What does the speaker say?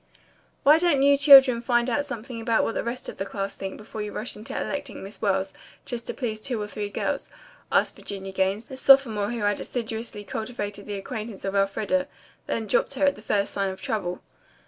"Why don't you children find out something about what the rest of the class think before you rush into electing Miss Wells, just to please two or three girls?" asked Virginia Gaines, the sophomore who had assiduously cultivated the acquaintance of Elfreda then dropped her at the first sign of trouble.